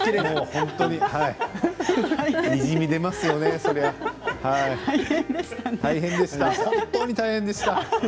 本当に大変でした。